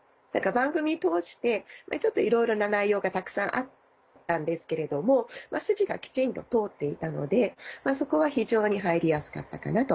番組通してちょっといろいろな内容がたくさんあったんですけれども筋がきちんと通っていたのでそこは非常に入りやすかったかなと。